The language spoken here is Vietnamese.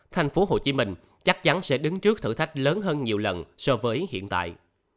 thành phố hồ chí minh chắc chắn sẽ đứng trước thử thách lớn hơn nhiều lần so với hiện tại